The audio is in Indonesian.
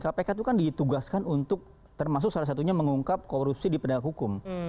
kpk itu kan ditugaskan untuk termasuk salah satunya mengungkap korupsi di pedang hukum